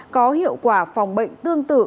có hiệu quả phòng bệnh tương tự